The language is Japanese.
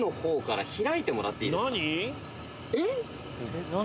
えっ？